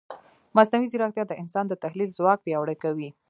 مصنوعي ځیرکتیا د انسان د تحلیل ځواک پیاوړی کوي.